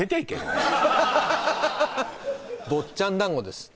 もう坊っちゃん団子です